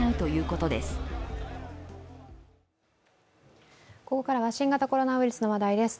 ここからは新型コロナウイルスの話題です。